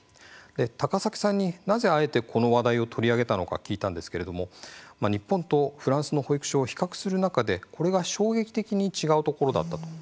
高崎さんに、なぜあえてこの話題を取り上げたのか聞いたんですけれども日本とフランスの保育所を比較する中で、これが衝撃的に違うところだったと。